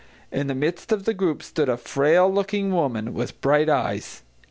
In the midst of the group stood a frail looking woman with bright eyes.